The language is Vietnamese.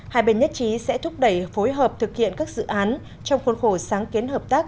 hai bên nhất trí sẽ thúc đẩy phối hợp thực hiện các dự án trong khuôn khổ sáng kiến hợp tác